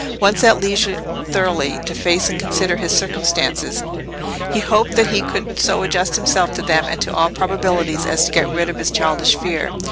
Once at leisure thoroughly to face and consider his circumstances, he hoped that he could so adjust himself to them and to all probabilities as to get rid of his childish fear.